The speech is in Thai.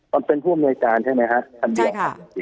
ตอนเป็นผู้อำนวยจานใช่ไหมคะคันเดียว